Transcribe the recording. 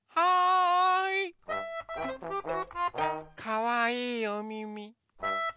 かわいいおみみ。